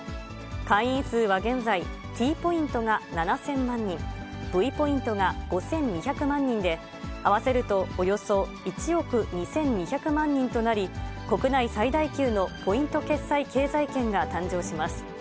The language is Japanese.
会員数は現在、Ｔポイントが７０００万人、Ｖポイントが５２００万人で、合わせると、およそ１億２２００万人となり、国内最大級のポイント決済経済圏が誕生します。